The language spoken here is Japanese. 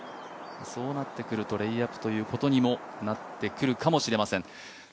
そうなってくるとレイアップということになってくるかもしれません。